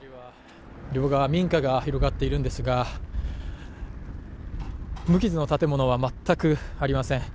両側、民家が広がっているんですが、無傷の建物は全くありません。